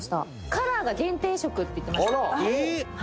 「カラーが限定色って言ってました」